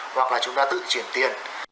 hoặc là chúng ta tự chuyển tiền